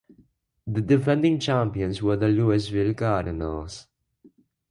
The defending champions were the Louisville Cardinals.